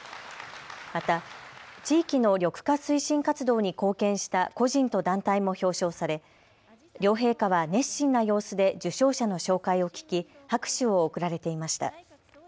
また地域の緑化推進活動に貢献した個人と団体も表彰され両陛下は熱心な様子で受賞者の紹介を聞き拍手を送られていました。